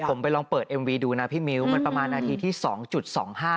ผมไปลองเปิดเอ็มวีดูนะพี่มิ้วมันประมาณนาทีที่สองจุดสองห้า